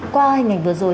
qua hình ảnh vừa rồi